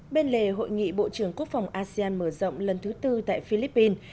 bên lề hội nghị bộ trưởng quốc phòng asean mở rộng lần thứ tư tại philippines